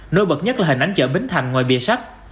nôi bật nhất là hình ánh chợ bến thành ngoài bìa sắt